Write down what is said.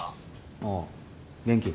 ああ元気？